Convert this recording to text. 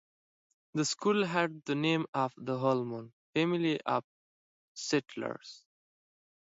The school had the name of the Holman family of settlers.